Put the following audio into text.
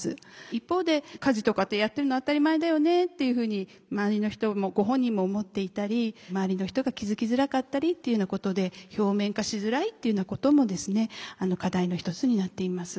一方で家事とかってやってるの当たり前だよねっていうふうに周りの人もご本人も思っていたり周りの人が気づきづらかったりっていうようなことで表面化しづらいっていうようなことも課題の一つになっています。